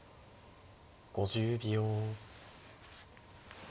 ５０秒。